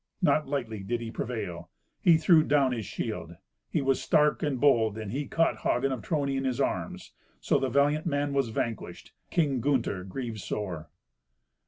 Not lightly did he prevail. He threw down his shield. He was stark and bold, and he caught Hagen of Trony in his arms. So the valiant man was vanquished. King Gunther grieved sore.